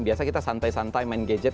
biasa kita santai santai main gadget